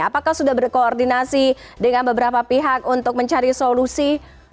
apakah sudah berkoordinasi dengan beberapa pihak untuk mencari solusi